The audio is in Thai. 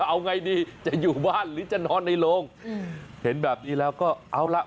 เอาไงดีจะอยู่บ้านหรือจะนอนในโรงเห็นแบบนี้แล้วก็เอาล่ะ